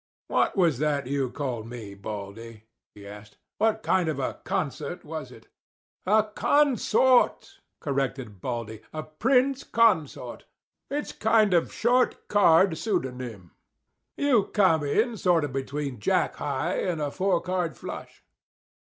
"What was that you called me, Baldy?" he asked. "What kind of a concert was it?" "A 'consort,'" corrected Baldy—"a 'prince consort.' It's a kind of short card pseudonym. You come in sort of between Jack high and a four card flush."